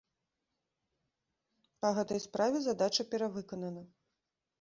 Па гэтай справе задача перавыканана.